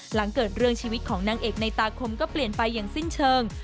หลังเกิดเรื่องชีวิตของนางเอกในตาคมก็เปลี่ยนไปอย่างสิ้นเชิง